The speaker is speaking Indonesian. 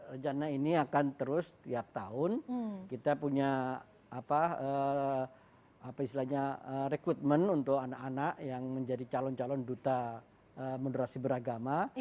rencana ini akan terus tiap tahun kita punya rekrutmen untuk anak anak yang menjadi calon calon duta moderasi beragama